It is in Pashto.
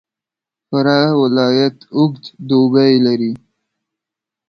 فراه ولایت اوږد دوبی لري.